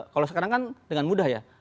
kalau sekarang kan dengan mudah ya